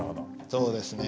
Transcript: そうですね。